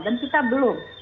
dan kita belum